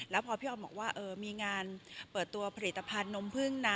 แล้วพอพี่ออมบอกว่ามีงานเปิดตัวผลิตภัณฑ์นมพึ่งนะ